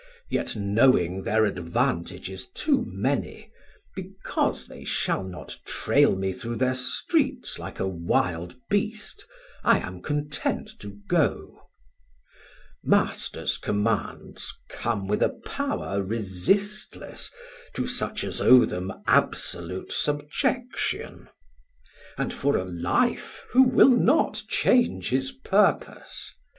1400 Yet knowing thir advantages too many, Because they shall not trail me through thir streets Like a wild Beast, I am content to go. Masters commands come with a power resistless To such as owe them absolute subjection; And for a life who will not change his purpose?